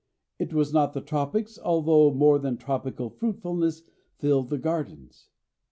It was not the tropics, although more than tropical fruitfulness filled the gardens.